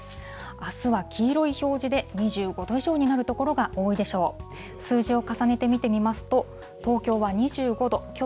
あすは黄色い表示で２５度以上になる所が多いでしょう。